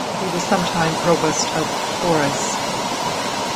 He was sometime provost of Forres.